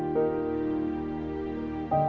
sesuatu mungkin undergrad malaim